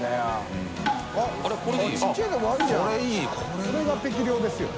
これが適量ですよ。